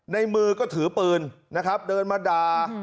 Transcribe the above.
ในมือก็ถือปืนนะครับเดินมาด่า